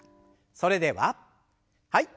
それでははい。